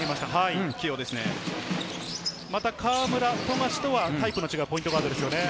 河村、富樫とはタイプの違うポイントガードですよね。